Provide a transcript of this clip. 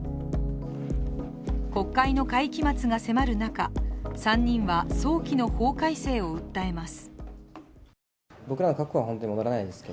国会の会期末が迫る中、３人は早期の法改正を訴えます。